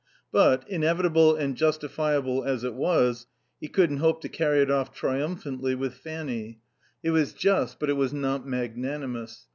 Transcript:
But, inevitable and justifiable as it was, he couldn't hope to carry it off triumphantly with Fanny. It was just, but it was not magnanimous.